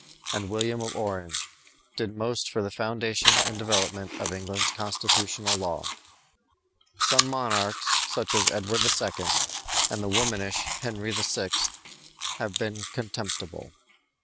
and William of Orange, did most for the foundation and development of England's constitutional law. Some monarchs, such as Edward II. and the womanish Henry VI., have been contemptible.